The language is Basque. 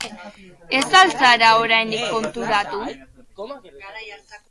Ez al zara oraindik konturatu?